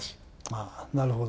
ああ、なるほど。